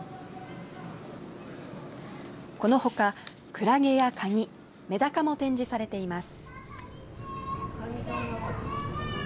このほかクラゲやカニ、メダカも展示されています。